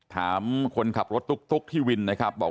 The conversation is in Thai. ถามคนขับรถตุ๊กที่วินครับ